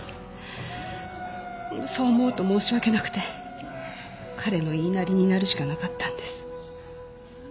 そう思うと申し訳なくて彼の言いなりになるしかなかったんです。